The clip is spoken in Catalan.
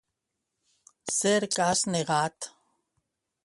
Ser cas negat.